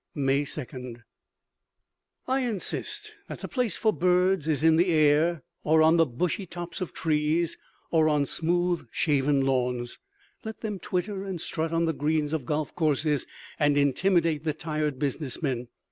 May 2. I insist that the place for birds is in the air or on the bushy tops of trees or on smooth shaven lawns. Let them twitter and strut on the greens of golf courses and intimidate the tired business men.